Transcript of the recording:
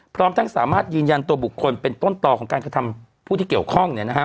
พร้อมทั้งสามารถยืนยันตัวบุคคลเป็นต้นต่อของการกระทำผู้ที่เกี่ยวข้อง